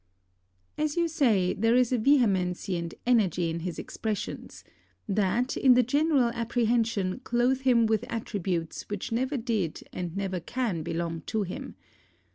As you say, there is a vehemency and energy in his expressions, that, in the general apprehension, cloathe him with attributes which never did and never can belong to him.